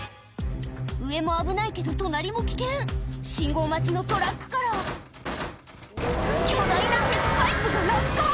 上も危ないけど隣も危険信号待ちのトラックから巨大な鉄パイプが落下！